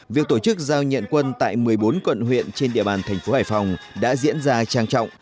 việc tổ chức giao nhận quân tại một mươi bốn quận huyện trên địa bàn thành phố hải phòng đã diễn ra trang trọng